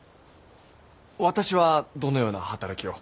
私はどのような働きを。